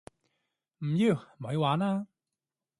唔要！咪玩啦